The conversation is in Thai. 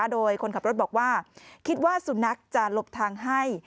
โดยคนขับรถบอกว่าคิดว่าสุนัขจะหลบทางให้